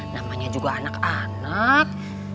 namanya juga anak anak